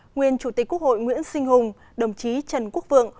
nguyên chủ tịch quốc hội nguyễn sinh hùng đồng chí trần quốc vượng